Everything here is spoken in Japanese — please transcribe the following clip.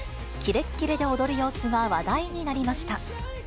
キレッキレで踊る様子が話題になりました。